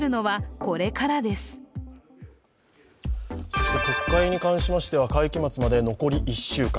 そして国会に関しましては、会期末まで残り１週間。